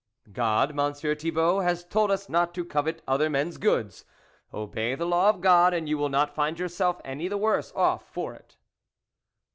"'. "God, Monsieur Thibault, has told us not to covet other men's goods ; obey the law of God, and you will not find yourself any the worse off for it